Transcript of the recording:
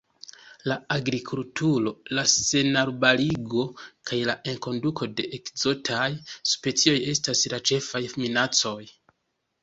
La agrikulturo, la senarbarigo kaj la enkonduko de ekzotaj specioj estas la ĉefaj minacoj.